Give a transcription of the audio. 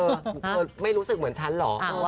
เธอไม่รู้สึกเหมือนฉันเหรอ